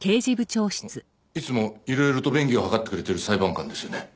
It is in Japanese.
あのいつもいろいろと便宜を図ってくれてる裁判官ですよね？